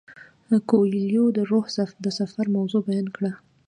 کویلیو د روح د سفر موضوع بیان کړه.